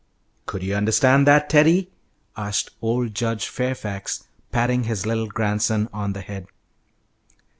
"Could you understand that, Teddy?" asked old Judge Fairfax, patting his little grandson on the head.